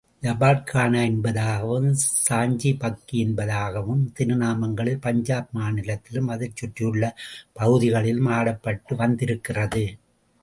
ஜபார்ககானா என்பதாகவும், சாஞ்சி பக்கி என்பதாகவும் பல திருநாமங்களில் பஞ்சாப் மாநிலத்திலும், அதைச் சுற்றியுள்ள பகுதிகளிலும் ஆடப்பட்டு வந்திருக்கிறது.